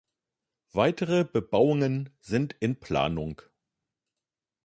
Weitere Bebauungen sind in Planung.